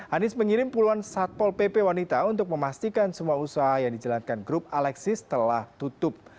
anies mengirim puluhan satpol pp wanita untuk memastikan semua usaha yang dijalankan grup alexis telah tutup